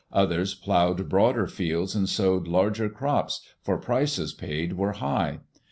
Others plowed broader fields and sowed larger crops, for prices paid were high.